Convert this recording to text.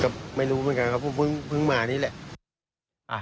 ก็ไม่รู้เหมือนกันครับผมเพิ่งมานี่แหละ